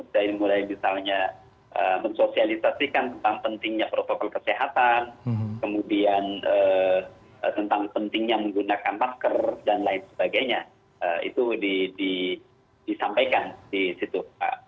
jadi mulai misalnya mensosialisasikan tentang pentingnya protokol kesehatan kemudian tentang pentingnya menggunakan masker dan lain sebagainya itu disampaikan di situ